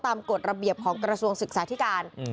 กฎระเบียบของกระทรวงศึกษาธิการ